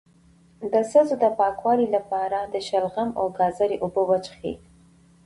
د سږو د پاکوالي لپاره د شلغم او ګازرې اوبه وڅښئ